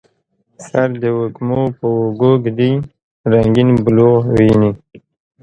سر د وږمو په اوږو ږدي رنګیین بلوغ ویني